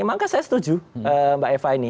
maka saya setuju mbak eva ini